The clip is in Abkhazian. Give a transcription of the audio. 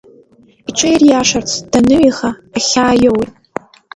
Иҽириашарц даныҩеиха, ахьаа иоуит.